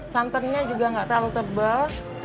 santannya juga nggak terlalu tebal